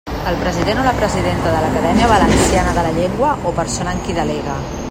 El president o la presidenta de l'Acadèmia Valenciana de la Llengua o persona en qui delegue.